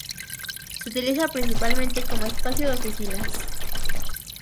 Se utiliza principalmente como espacio de oficinas.